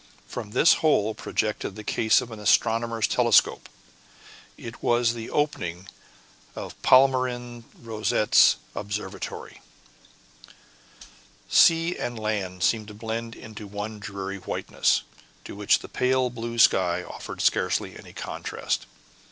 From this hole projected the case of an astronomer's telescope; it was the opening of Palmyrin Rosette's observatory. Sea and land seemed blended into one dreary whiteness, to which the pale blue sky offered scarcely any contrast.